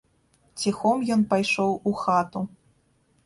Ціхом ён пайшоў у хату.